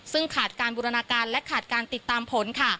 ซึ่งขาดการบูรณาการและขาดการติดตามผลค่ะ